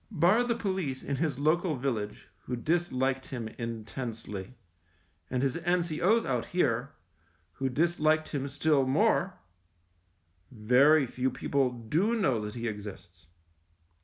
Bar the police in his local village, who disliked him intensely, and his N.C.O.'s out here, who dis liked him still more, very few people do know that he exists.